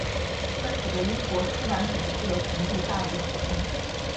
这使得英国出版品的自由程度大为提升。